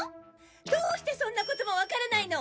どうしてそんなこともわからないの！